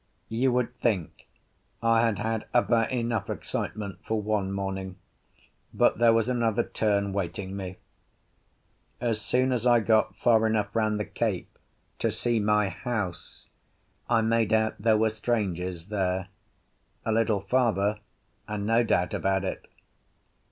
You would think I had had about enough excitement for one morning, but there was another turn waiting me. As soon as I got far enough round the cape to see my house I made out there were strangers there; a little farther, and no doubt about it.